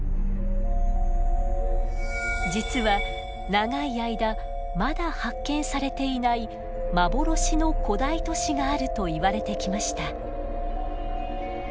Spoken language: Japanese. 実は長い間まだ発見されていない幻の古代都市があるといわれてきました。